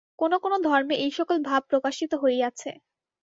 কোন কোন ধর্মে এই-সকল ভাব প্রকাশিত হইয়াছে।